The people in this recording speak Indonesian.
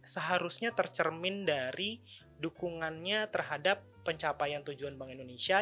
seharusnya tercermin dari dukungannya terhadap pencapaian tujuan bank indonesia